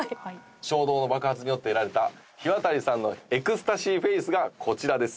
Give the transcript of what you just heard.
衝動の爆発によって得られたひわたりさんのエクスタシーフェイスがこちらです。